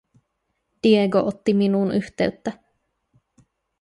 Diego otti minuun yhteyttä.